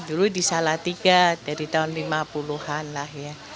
dulu di salatiga dari tahun lima puluh an lah ya